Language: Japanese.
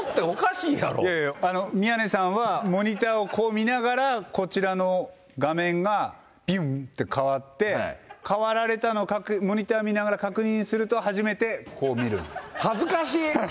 いやいや、宮根さんは、モニターをこう見ながら、こちらの画面がびゅん！って変わって、変わられたの、モニター見ながら、確認すると、初めて見るんです。